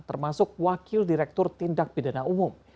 termasuk wakil direktur tindak pidana umum